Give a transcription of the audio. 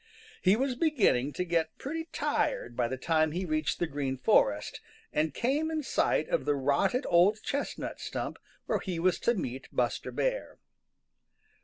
He was beginning to get pretty tired by the time he reached the Green Forest and came in sight of the rotted old chestnut stump where he was to meet Buster Bear.